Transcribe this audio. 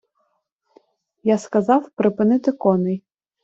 Я сказав припинити коней.